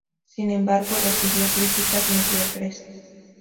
Sin embargo, recibió críticas mediocres.